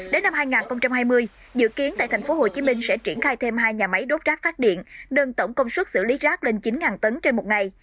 đến năm hai nghìn hai mươi dự kiến tại thành phố hồ chí minh sẽ triển khai thêm hai nhà máy đốt rác phát điện đơn tổng công suất xử lý rác lên chín tấn trên một ngày